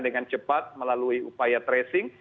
dengan cepat melalui upaya tracing